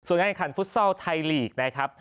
ส่วนให้การฟุตเซลล์ไทยลีกนะครับ